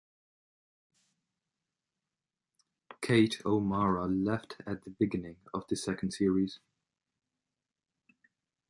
Kate O'Mara left at the beginning of the second series.